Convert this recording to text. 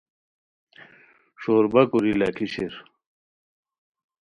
ݰو ربہ کوری لاکھی شیر